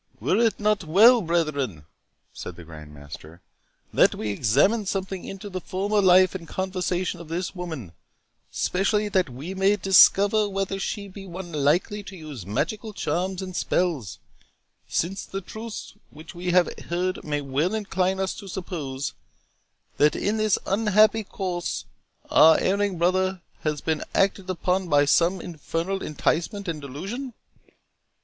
"Were it not well, brethren," said the Grand Master, "that we examine something into the former life and conversation of this woman, specially that we may discover whether she be one likely to use magical charms and spells, since the truths which we have heard may well incline us to suppose, that in this unhappy course our erring brother has been acted upon by some infernal enticement and delusion?"